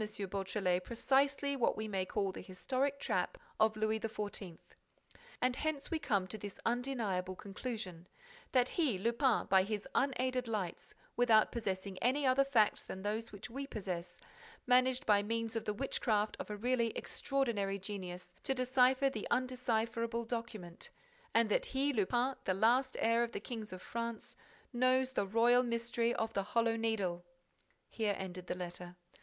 Beautrelet precisely what we may call the historic trap of Louis XIV. And hence we come to this undeniable conclusion, that he, Lupin, by his unaided lights, without possessing any other facts than those which we possess, managed by means of the witchcraft of a really extraordinary genius, to decipher the undecipherable document; and that he, Lupin, the last heir of the Kings of France, knows the royal mystery of the Hollow Needle! Here ended the letter.